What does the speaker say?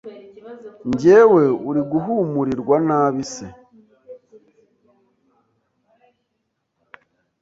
Njyewe Uri guhumurirwa nabi se